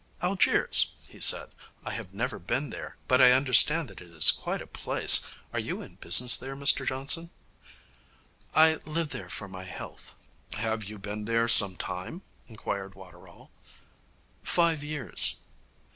'Algiers,' he said. 'I have never been there, but I understand that it is quite a place. Are you in business there, Mr Johnson?' 'I live there for my health.' 'Have you been there some time?' inquired Waterall. 'Five years.'